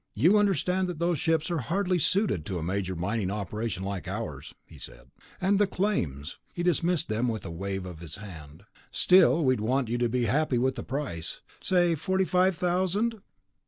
"You understand that those ships are hardly suited to a major mining operation like ours," he said, "and the claims...." He dismissed them with a wave of his hand. "Still, we'd want you to be happy with the price. Say, forty five thousand?"